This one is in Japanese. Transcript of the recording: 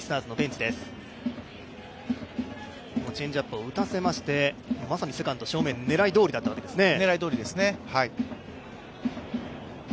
チェンジアップを打たせまして、まさにセカンド正面、狙いどおりだったわけですね。